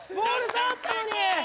触ったのに！